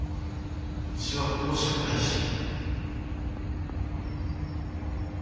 うちはここしかないじゃん。